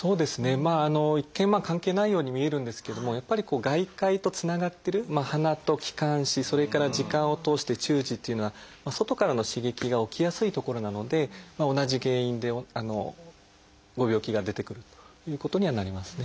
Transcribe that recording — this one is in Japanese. まあ一見関係ないように見えるんですけどもやっぱり外界とつながってる鼻と気管支それから耳管を通して中耳っていうのは外からの刺激が起きやすい所なので同じ原因でご病気が出てくるということにはなりますね。